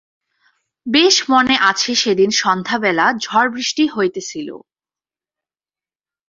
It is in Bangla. বেশ মনে আছে সেদিন সন্ধ্যাবেলা ঝড়বৃষ্টি হইতেছিল।